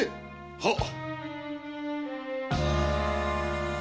はっ！